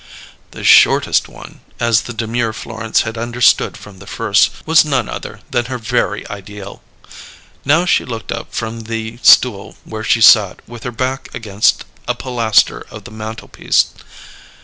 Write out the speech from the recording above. "The shortest one," as the demure Florence had understood from the first, was none other than her Very Ideal. Now she looked up from the stool where she sat with her back against a pilaster of the mantelpiece.